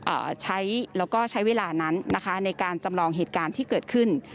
เอ่อใช้แล้วก็ใช้เวลานั้นนะคะในการจำลองเหตุการณ์ที่เกิดขึ้น